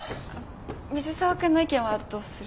水沢君の意見はどうする？